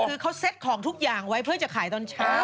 คือเขาเซ็ตของทุกอย่างไว้เพื่อจะขายตอนเช้า